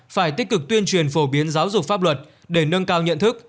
phải tích cực tuyên truyền phổ biến giáo dục pháp luật để nâng cao nhận thức